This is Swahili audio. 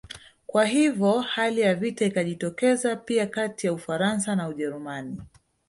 Kwa hivyo hali ya vita ikajitokeza pia kati ya Ufaransa na Ujerumani